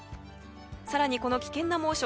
更に、この危険な猛暑